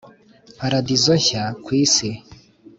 paradizo nshya kwi si